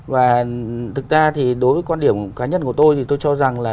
và thực ra thì đối với quan điểm cá nhân của tôi thì tôi cho rằng là